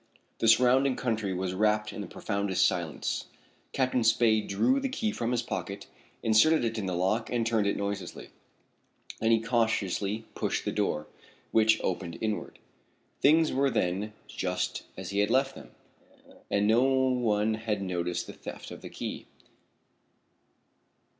The surrounding country was wrapt in the profoundest silence. Captain Spade drew the key from his pocket, inserted it in the lock and turned it noiselessly. Then he cautiously pushed the door, which opened inward. Things were, then, just as he had left them, and no one had noticed the theft of the key.